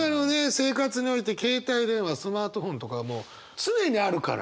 生活において携帯電話スマートフォンとかはもう常にあるから。